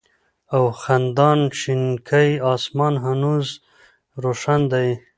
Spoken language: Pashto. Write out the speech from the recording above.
او خندان شينكى آسمان هنوز روښان دى